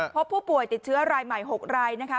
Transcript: พบผู้ป่วยติดเชื้อรายใหม่๖รายนะคะ